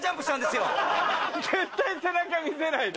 絶対背中見せないで。